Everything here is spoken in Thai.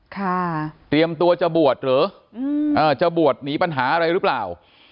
เตรียมตัวจะบวชหรืออืมอ่าจะบวชหนีปัญหาอะไรหรือเปล่า